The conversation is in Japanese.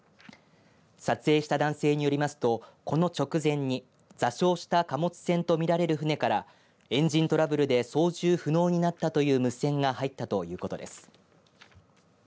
撮影した男性によりますとこの直前に座礁した貨物船とみられる船からエンジントラブルで操縦不能になったという無線が入ったということです。